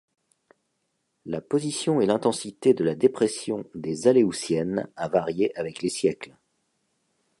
La position et l'intensité de la dépression des Aléoutiennes a varié avec les siècles.